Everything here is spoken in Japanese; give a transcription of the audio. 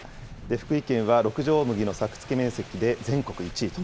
福井県は六条大麦の作付面積で全国１位。